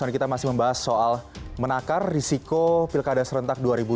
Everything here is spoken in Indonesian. kita masih membahas soal menakar risiko pilkada serentak dua ribu dua puluh